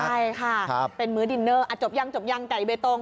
ใช่ค่ะเป็นมื้อดินเนอร์จบยังจบยังไก่เบตง